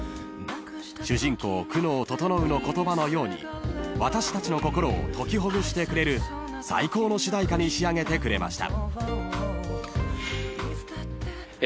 ［主人公久能整の言葉のように私たちの心を解きほぐしてくれる最高の主題歌に仕上げてくれました］